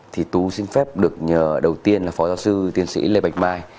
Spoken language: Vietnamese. thì tú xin phép được nhờ đầu tiên là phó giáo sư tiến sĩ lê bạch mai